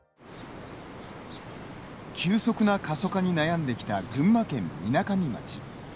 急速な過疎化に悩んできた群馬県みなかみ町。